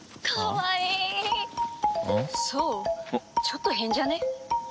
ちょっと変じゃね？